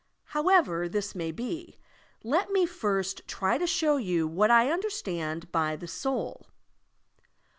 However this may be, let me fu^t try to show you what I tmderstand by the soul.